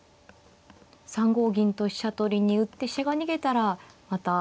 ３五銀と飛車取りに打って飛車が逃げたらまた。